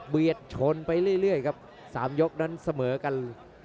เบียดชนไปเรื่อยเรื่อยครับสามยกนั้นเสมอกัน